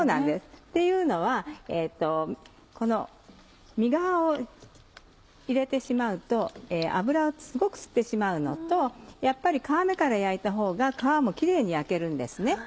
っていうのはこの身側を入れてしまうと油をすごく吸ってしまうのとやっぱり皮目から焼いたほうが皮もキレイに焼けるんですね。